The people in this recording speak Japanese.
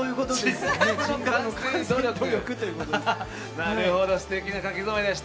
なるほど、すてきな書き初めでした。